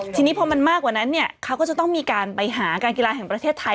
ทีนี้พอมันมากกว่านั้นเนี่ยเขาก็จะต้องมีการไปหาการกีฬาแห่งประเทศไทย